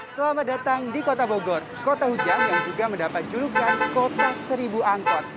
selamat datang di kota bogor kota hujan yang juga mendapat julukan kota seribu angkot